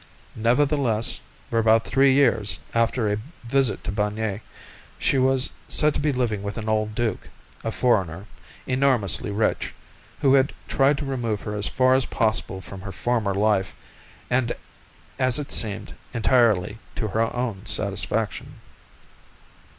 Nevertheless, for about three years, after a visit to Bagnères, she was said to be living with an old duke, a foreigner, enormously rich, who had tried to remove her as far as possible from her former life, and, as it seemed, entirely to her own satisfaction.